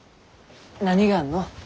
何があんの？